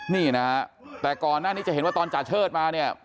นี่นะฮะแต่ก่อนหน้านี้จะเห็นว่าตอนจาเชิดมาเนี่ย